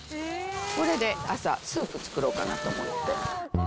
これで朝、スープ作ろうかなと思って。